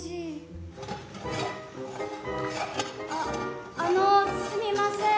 ああのすみません。